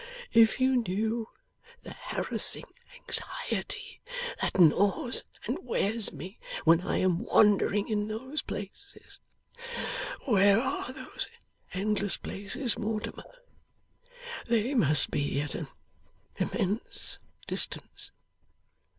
If you knew the harassing anxiety that gnaws and wears me when I am wandering in those places where are those endless places, Mortimer? They must be at an immense distance!